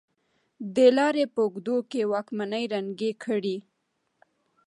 د لارې په اوږدو کې واکمنۍ ړنګې کړې.